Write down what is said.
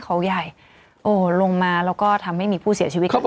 โอ้โฮลงมาแล้วก็ทำให้มีผู้เสียชีวิตขึ้นขึ้นด้วย